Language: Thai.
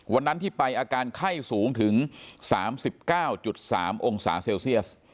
วันนั้นที่ไปอาการไข้สูงถึงสามสิบเก้าจุดสามองศาเซลเซียส